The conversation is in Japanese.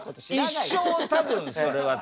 一生多分それは続くよ。